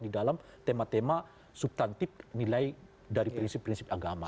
di dalam tema tema subtantif nilai dari prinsip prinsip agama